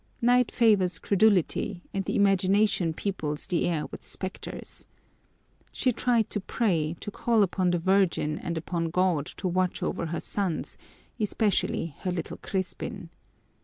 Night favors credulity and the imagination peoples the air with specters. She tried to pray, to call upon the Virgin and upon God to watch over her sons, especially her little Crispin.